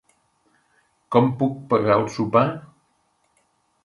Com puc pagar el sopar?